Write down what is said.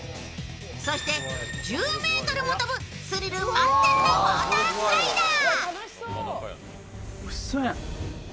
そして１０ｍも飛ぶスリル満点のウォータースライダー。